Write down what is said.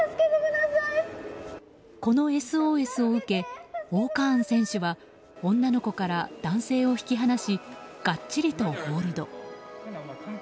このＳＯＳを受けＯーカーン選手は女の子から男性を引き離しがっちりとホールド。